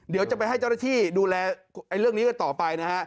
เดี๋ยวจะไปให้เจ้าหน้าที่ดูแลเรื่องนี้กันต่อไปนะฮะ